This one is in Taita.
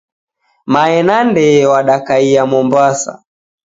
Mae na ndee w'adakaia Mombasa.